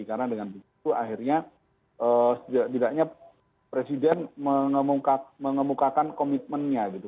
karena dengan itu akhirnya tidak tidaknya presiden mengemukakan komitmennya gitu